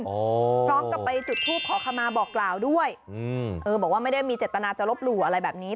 พร้อมกับไปจุดทูปขอขมาบอกกล่าวด้วยอืมเออบอกว่าไม่ได้มีเจตนาจะลบหลู่อะไรแบบนี้